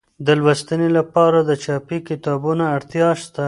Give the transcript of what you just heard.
د لوستنې لپاره د چاپي کتابونو اړتیا شته.